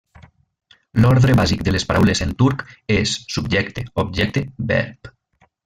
L'ordre bàsic de les paraules en turc és subjecte objecte verb.